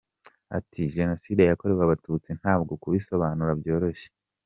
Ati “Jenoside yakorewe Abatutsi ntabwo kubisobanura byoroshye.